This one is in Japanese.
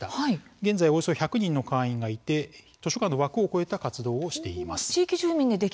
現在、およそ１００人の会員がいて図書館の枠をこえた活動をしています。